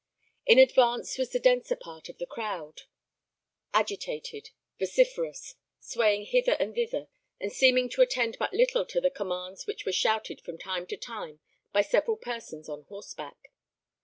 In advance was the denser part of the crowd: agitated, vociferous, swaying hither and thither, and seeming to attend but little to the commands which were shouted from time to time by several persons on horseback.